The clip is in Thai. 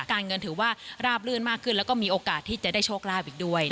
การเงินถือว่าราบลื่นมากขึ้นแล้วก็มีโอกาสที่จะได้โชคลาภอีกด้วย